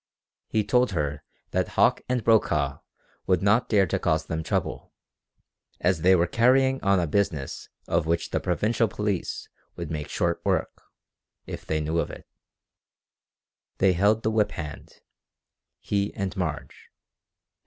He told her that Hauck and Brokaw would not dare to cause them trouble, as they were carrying on a business of which the provincial police would make short work, if they knew of it. They held the whip hand, he and Marge.